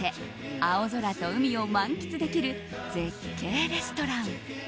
青空と海を満喫できる絶景レストラン。